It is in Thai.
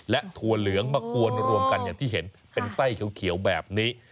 และถั่วเหลืองมากวนรวมกันอย่างที่เห็นเป็นไส้เขียวแบบนี้